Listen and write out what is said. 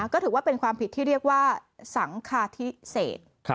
ก็ถือว่าเป็นความผิดที่เรียกว่าสังคาธิเศษ